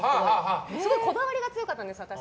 私、こだわりが強かったんですよ。